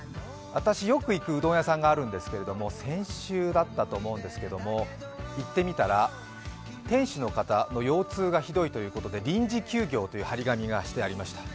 私、よく行くうどん屋さんがあるんですけど、先週だったと思うんですけれども、行ってみたら店主の方の腰痛がひどいということで「臨時休業」という貼り紙がしてありました。